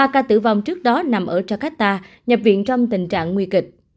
ba ca tử vong trước đó nằm ở jakarta nhập viện trong tình trạng nguy kịch